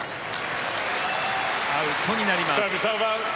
アウトになります。